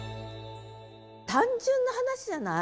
単純な話じゃない？